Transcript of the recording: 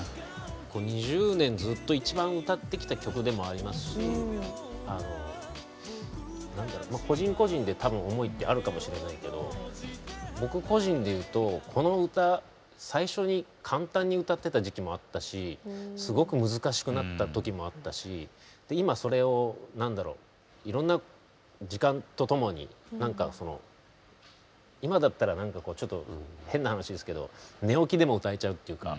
２０年ずっと一番歌ってきた曲でもありますし個人個人で多分思いってあるかもしれないけど僕個人で言うとこの歌最初に簡単に歌ってた時期もあったしすごく難しくなった時もあったしで今それを何だろいろんな時間と共になんかその今だったらなんかこうちょっと変な話ですけど寝起きでも歌えちゃうっていうか。